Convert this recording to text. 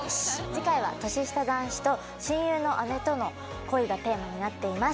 次回は年下男子と親友の姉との恋がテーマになっています。